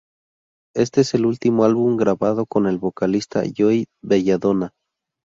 Este es el último álbum grabado con el vocalista Joey Belladonna.